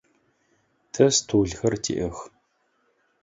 Тэ столхэр тиӏэх.